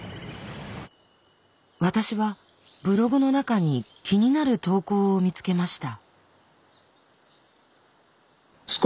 私はブログの中に気になる投稿を見つけました。